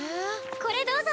これどうぞ！